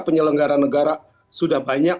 penyelenggara negara sudah banyak